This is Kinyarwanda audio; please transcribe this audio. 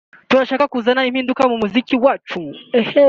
turashaka kuzana impinduka mu muziki wacu